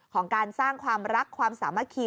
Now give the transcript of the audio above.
ของการสร้างความรักความสามัคคี